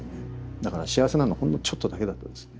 だから幸せなのほんのちょっとだけだったですね。